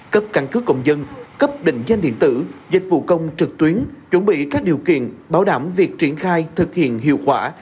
cấp căn cứ công dân cấp định danh điện tử dịch vụ công trực tuyến chuẩn bị các điều kiện bảo đảm việc triển khai thực hiện hiệu quả